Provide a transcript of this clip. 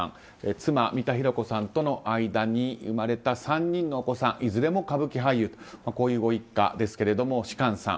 妻・三田寛子さんとの間に生まれた３人のお子さんいずれも歌舞伎俳優というご一家ですけれども芝翫さん